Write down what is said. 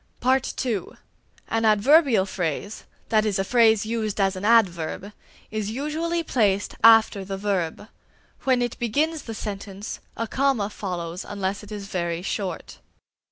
(2) An adverbial phrase, that is a phrase used as an adverb, is usually placed after the verb; when it begins the sentence, a comma follows it unless it is very short.